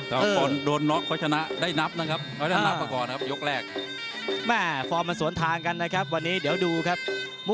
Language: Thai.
คนโดนน็อกเขาชนะได้นับนะครับ